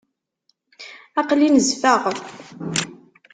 Aql-i nezfeɣ.